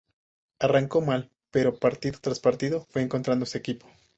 Arrancó mal, pero partido tras partido fue encontrando su equipo.